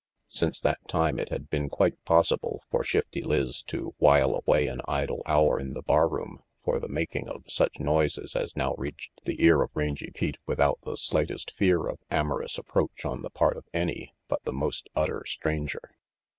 Since that time it had been quite possible for Shifty Lizz to while away an idle hour in the barroom for the mak ing of such noises as now reached the ear of Rangy RANGY PETE 13 Pete without the slightest fear of amorous approach on the part of any but the most utter stranger.